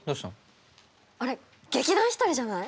あれ劇団ひとりじゃない？